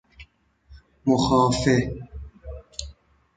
مخافه